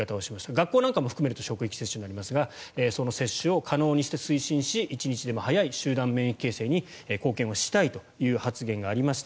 学校なんかも含めると職域接種になりますがその接種を可能にして推進し一日でも早い集団免疫形成に貢献したいという発言がありました。